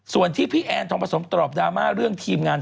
ส่วนที่พี่แอนทองผสมตอบดราม่าเรื่องทีมงาน